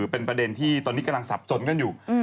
เป็นประเด็นที่ตอนนี้กำลังสับสนกันอยู่